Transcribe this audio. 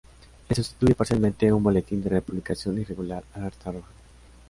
Le sustituye parcialmente un boletín de publicación irregular, Alerta Roja.